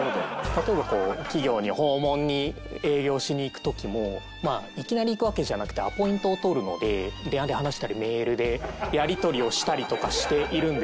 例えばこう企業に訪問に営業しに行く時もいきなり行くわけじゃなくてアポイントを取るので電話で話したりメールでやり取りをしたりとかしているんですね。